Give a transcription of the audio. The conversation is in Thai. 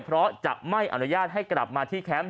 เพราะจะไม่อนุญาตให้กลับมาที่แคมป์